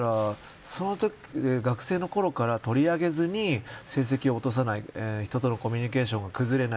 学生のころから、取り上げずに成績を落とさない人とのコミュニケーションを崩れない。